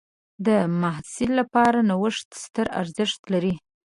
د محصل لپاره نوښت ستر ارزښت لري.